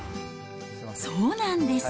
そうなんです。